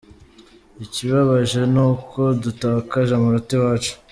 Ikibabaje ni uko dutakaje amanota iwacu.